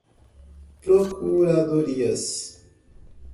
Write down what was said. procuradorias